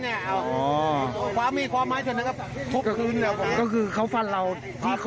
หลองว่ามีคนมาหาเรื่องอะไรอย่างนี้